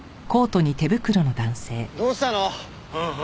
どうしたの？